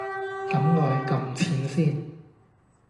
咁我去㩒錢先